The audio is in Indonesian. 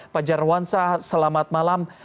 pak jarwansyah selamat malam